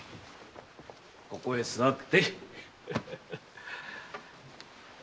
ここへ座って。